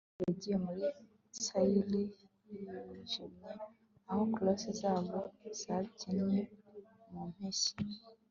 kandi yagiye muri sayiri yijimye aho clogs zabo zabyinnye mu mpeshyi